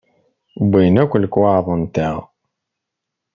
Wwin akk lekwaɣeḍ-nteɣ.